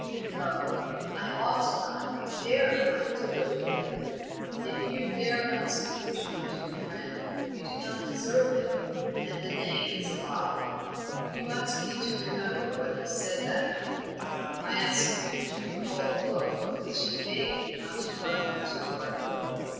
No, I ought not, dare not do it yet." "If you dare not speak the truth to your friend, you do not deserve him, and the name is a lie. You ask me to remember what he said that night, I ask you to recall the look with which he begged you not to try him too hardly.